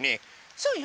そうよ。